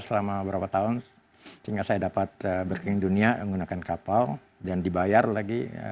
selama berapa tahun sehingga saya dapat berkeliling dunia menggunakan kapal dan dibayar lagi